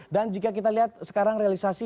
dan jika kita lihat sekarang realisasi